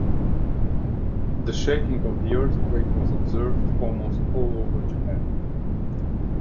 The shaking of the earthquake was observed almost all over Japan.